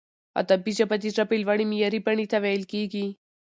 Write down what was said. ادبي ژبه د ژبي لوړي معیاري بڼي ته ویل کیږي.